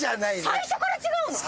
最初から違うの。